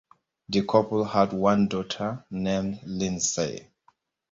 The couple had one daughter, named Lindsay.